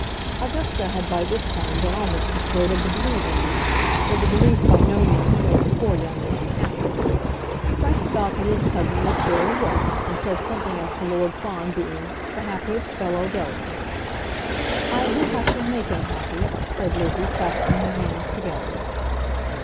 Augusta had by this time been almost persuaded to believe in her, though the belief by no means made the poor young woman happy. Frank thought that his cousin looked very well, and said something as to Lord Fawn being "the happiest fellow going." "I hope I shall make him happy," said Lizzie, clasping her hands together.